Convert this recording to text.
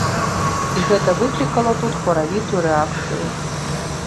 І гэта выклікала тут хваравітую рэакцыю.